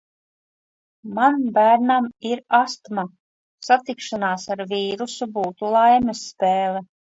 Man bērnam ir astma. Satikšanās ar vīrusu būtu laimes spēle.